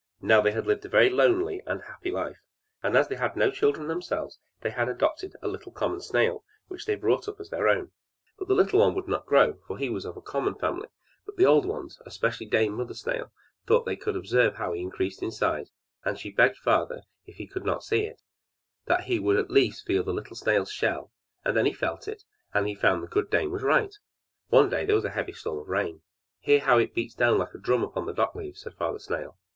Now they lived a very lonely and happy life; and as they had no children themselves, they had adopted a little common snail, which they brought up as their own; but the little one would not grow, for he was of a common family; but the old ones, especially Dame Mother Snail, thought they could observe how he increased in size, and she begged father, if he could not see it, that he would at least feel the little snail's shell; and then he felt it, and found the good dame was right. One day there was a heavy storm of rain. "Hear how it beats like a drum on the dock leaves!" said Father Snail.